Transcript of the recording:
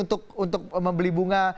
untuk membeli bunga